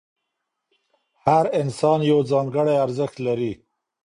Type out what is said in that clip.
هر انسان یو ځانګړی ارزښت لري.